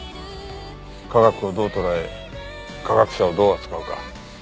科学をどう捉え科学者をどう扱うか。